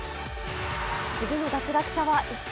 次の脱落者は一体。